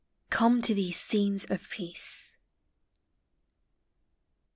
COME TO THESE SCENES OF PEACE.